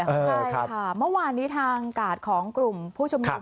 ใช่ค่ะเมื่อวานนี้ทางกาดของกลุ่มผู้ชุมนุม